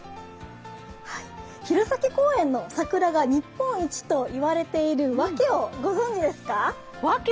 弘前公園の桜が日本一と言われている訳をご存じですか？